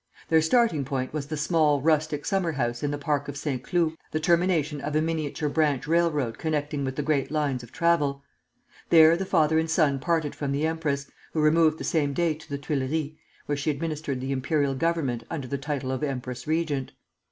Their starting point was the small rustic summer house in the park of Saint Cloud, the termination of a miniature branch railroad connecting with the great lines of travel. There the father and son parted from the empress, who removed the same day to the Tuileries, where she administered the imperial government under the title of empress regent.